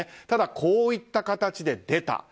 ただ、こういった形で出た。